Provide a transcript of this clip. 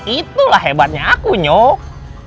itulah hebatnya aku nyok